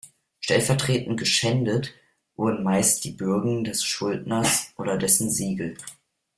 Stellvertretend „geschändet“ wurden meist die Bürgen des Schuldners oder dessen Siegel.